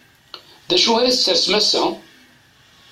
D acu ara tessersem ass-a?